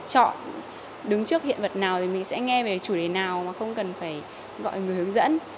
chọn đứng trước hiện vật nào thì mình sẽ nghe về chủ đề nào mà không cần phải gọi người hướng dẫn